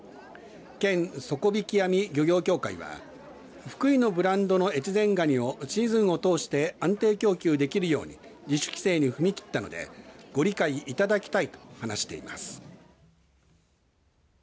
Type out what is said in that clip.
県底曳網漁業協会は福井のブランドの越前がにをシーズンを通して安定供給できるように自主規制に踏み切ったのでご理解いただきたいと話しています。